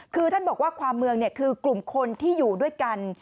คือท่านบอกว่าความเมืองคือกลุ่มคนที่อยู่ด้วยกัน